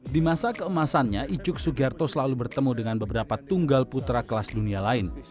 di masa keemasannya icuk sugiharto selalu bertemu dengan beberapa tunggal putra kelas dunia lain